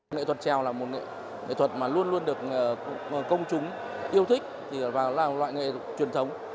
nghệ thuật trèo là một nghệ thuật mà luôn luôn được công chúng yêu thích và là loại nghệ thuật truyền thống